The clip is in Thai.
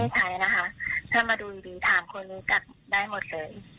ใช้นะคะถ้ามาดูดีถามคนรู้จักได้หมดเลย